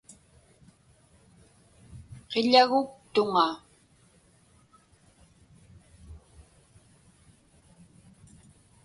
Qiḷaguktuŋa.